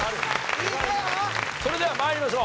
それでは参りましょう。